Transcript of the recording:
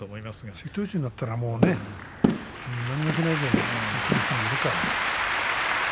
関取になったら何もしない人もいるから。